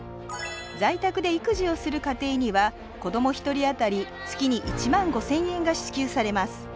在宅で育児をする家庭には子ども１人あたり月に１万５，０００円が支給されます